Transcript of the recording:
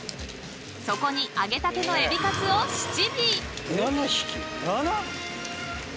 そこに揚げたての海老カツを７尾！］